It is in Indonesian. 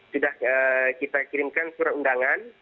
sudah kita kirimkan surat undangan